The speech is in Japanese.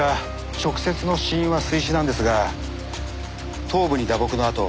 直接の死因は水死なんですが頭部に打撲の痕